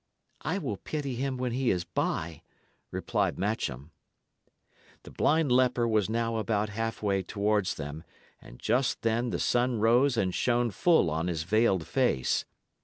"I will pity him when he is by," replied Matcham. The blind leper was now about halfway towards them, and just then the sun rose and shone full on his veiled face.